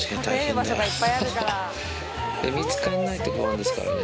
で見つかんないと不安ですからね。